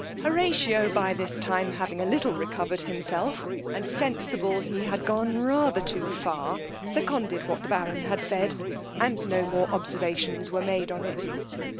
Horatio by this time having a little recovered himself, and sensible he had gone rather too far, seconded what the baron had said, and no more observations were made on it.